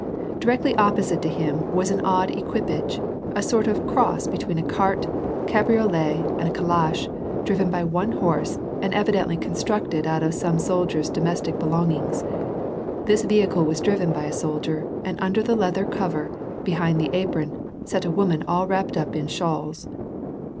Directly opposite to him was an odd equipage, a sort of cross be tween a cart, a cabriolet, and a calash, drawn by one horse, and evidently constructed out of some soldier's domestic belongings. This vehicle was driven by a soldier, and under the leather cever, behind the apron, sat a woman all wrapped up in shawls.